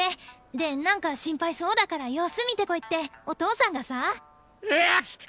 でなんか心配そうだから様子見てこいってお父さんがさ。はっくしゅ！